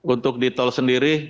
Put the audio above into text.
untuk di tol sendiri